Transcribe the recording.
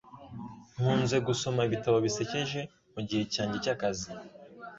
Nkunze gusoma ibitabo bisekeje mugihe cyanjye cyakazi.